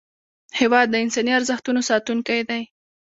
هېواد د انساني ارزښتونو ساتونکی دی.